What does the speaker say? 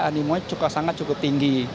animanya sangat cukup tinggi